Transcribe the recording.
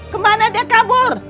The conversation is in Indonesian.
kemana dia kabur